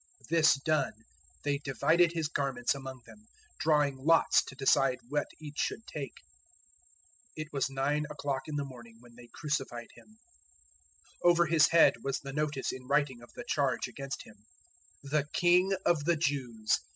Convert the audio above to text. This done, they divided His garments among them, drawing lots to decide what each should take. 015:025 It was nine o'clock in the morning when they crucified Him. 015:026 Over His head was the notice in writing of the charge against Him: THE KING OF THE JEWS.